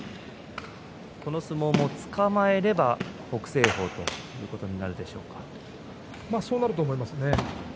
この相撲もつかまえれば北青鵬ということにそうなると思いますね。